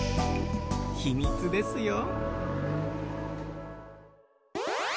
ひみつですよ